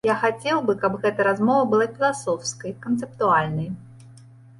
Я хацеў бы, каб гэта размова была філасофскай, канцэптуальнай.